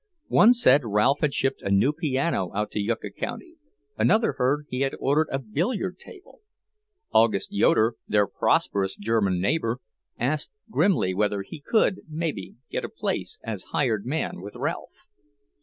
One said Ralph had shipped a new piano out to Yucca county, another heard he had ordered a billiard table. August Yoeder, their prosperous German neighbour, asked grimly whether he could, maybe, get a place as hired man with Ralph.